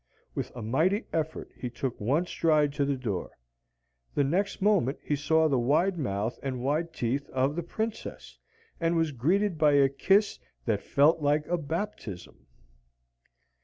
With a mighty effort he took one stride to the door. The next moment he saw the wide mouth and white teeth of the Princess, and was greeted by a kiss that felt like a baptism.